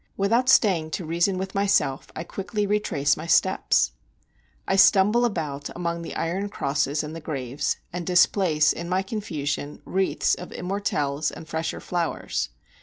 Without staying to reason with myself, I quickly retrace my steps. I stumble about among the iron crosses and the graves, and displace in my confusion wreaths of immortelles and fresher flowers.